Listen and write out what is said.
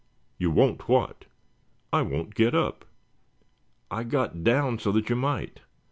"You won't what?" "I won't get up." "I got down so that you might."